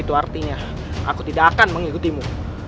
itu artinya aku tidak akan mengikutimu